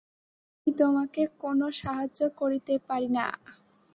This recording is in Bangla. আমি তোমাকে কোন সাহায্য করিতে পারি না।